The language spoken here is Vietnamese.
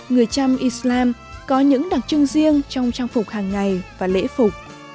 người trăm islam có những đặc trưng riêng trong trang phục hàng ngày và lễ phục